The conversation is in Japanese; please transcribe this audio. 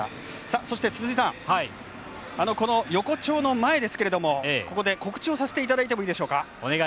そして、横丁の前ですけれどここで、告知をさせていただいていいでしょうか。